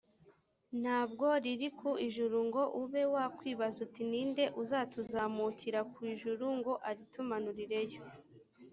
nta bwo riri ku ijuru, ngo ube wakwibaza uti «ni nde uzatuzamukira ku ijuru ngo aritumanurireyo,